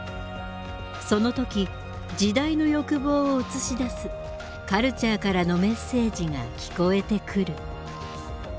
その時時代の欲望を映し出すカルチャーからのメッセージが聞こえてくる。